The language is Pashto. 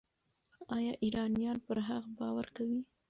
ایا ایرانیان پر هغه باور کوي؟